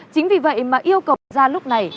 chính vì vậy mà yêu cầu ra lúc này